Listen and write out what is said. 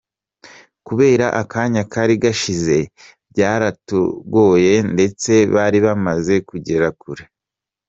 Kubera akanya kari gashize byaratugoye ndetse bari bamaze kugera kure.